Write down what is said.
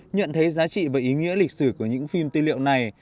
nhận thấy giá trị và ý nghĩa lịch sử của những phim tư liệu này